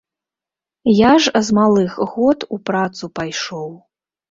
Я ж з малых год у працу пайшоў.